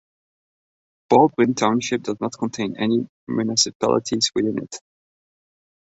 Baldwin Township does not contain any municipalities within it.